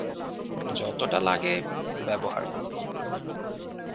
যতটা লাগে, ব্যবহার করবো।